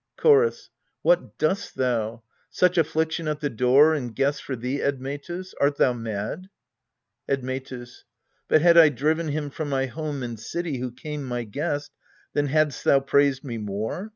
Chorus. What dost thou? such affliction at the door, And guests for thee, Admetus? Art thou mad ? Admetus. But had I driven him from my home and city Who came my guest, then hadst thou praised me more